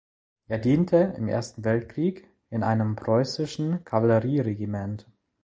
Er diente im Ersten Weltkrieg in einem preußischen Kavallerieregiment.